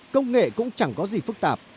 công nghệ cũng chẳng có gì phức tạp